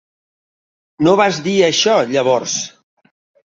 No vas dir això, llavors.